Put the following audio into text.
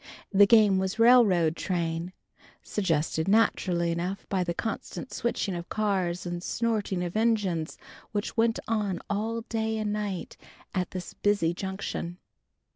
The game was Railroad Train, suggested naturally enough by the constant switching of cars and snorting of engines which went on all day and night at this busy Junction.